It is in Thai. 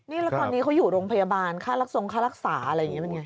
นี่แล้วก่อนนี้เขาอยู่โรงพยาบาลค่ารักษาอะไรอย่างนี้มันไง